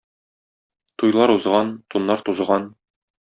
Туйлар узган, туннар тузган